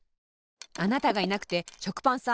あなたがいなくてしょくパンさん